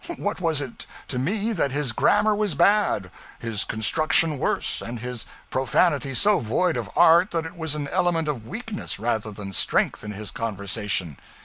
What was it to me that his grammar was bad, his construction worse, and his profanity so void of art that it was an element of weakness rather than strength in his conversation?